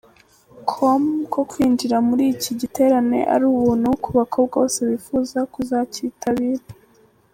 com ko kwinjira muri iki giterane ari ubuntu ku bakobwa bose bifuza kuzacyitabira.